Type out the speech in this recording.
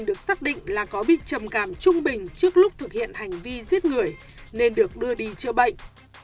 được xác định là có bị trầm cảm trung bình trước lúc thực hiện hành vi giết người nên được đưa đi chữa bệnh